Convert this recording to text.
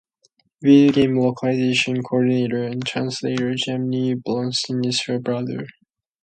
Video-game localization coordinator and translator Jeremy Blaustein is her brother.